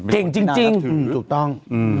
เก่งจริงถูกต้อง